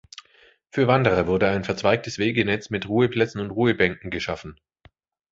Für Wanderer wurde ein verzweigtes Wegenetz mit Ruheplätzen und Ruhebänken geschaffen.